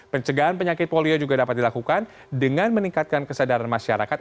pencegahan penyakit polio juga dapat dilakukan dengan meningkatkan kesadaran masyarakat